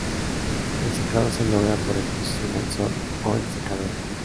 El secado se logra por exposición al sol o en secaderos.